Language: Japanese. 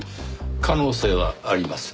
可能性はありますねぇ。